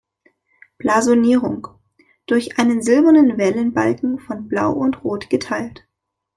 Blasonierung: „Durch einen silbernen Wellenbalken von Blau und Rot geteilt.